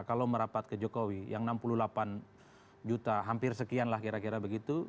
kalau merapat ke jokowi yang enam puluh delapan juta hampir sekian lah kira kira begitu